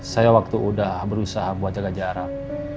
saya waktu udah berusaha buat jaga jarak